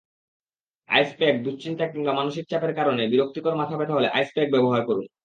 আইস প্যাকদুশ্চিন্তা কিংবা মানসিক চাপের কারণে বিরক্তিকর মাথাব্যথা হলে আইস প্যাক ব্যবহার করুন।